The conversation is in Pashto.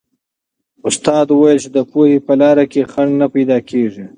استاد وویل چې د پوهې په لار کې خنډ نه پیدا کېږي.